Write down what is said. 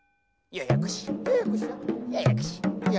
ややこしや。